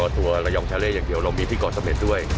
ตัวระยองชาเล่อย่างเดียวเรามีที่เกาะเสม็ดด้วย